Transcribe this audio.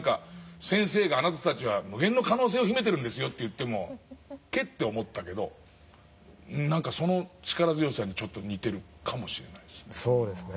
先生が「あなたたちは無限の可能性を秘めてるんですよ」と言ってもケッと思ったけどその力強さにちょっと似てるかもしれないですね。